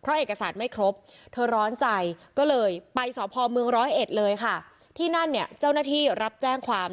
เพราะเอกสารไม่ครบเธอร้อนใจก็เลยไปสพเมืองร้อยเอ็ดเลยค่ะที่นั่นเนี่ยเจ้าหน้าที่รับแจ้งความ